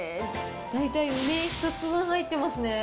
大体、梅１つ分入ってますね。